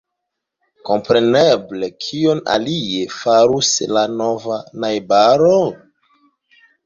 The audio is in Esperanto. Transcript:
Kompreneble; kion alie farus la nova najbaro?